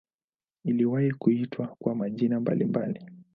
Iliwahi kuitwa kwa majina mbalimbali.